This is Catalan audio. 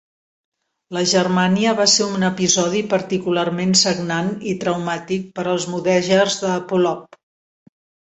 La Germania va ser un episodi particularment sagnant i traumàtic per als mudèjars de Polop.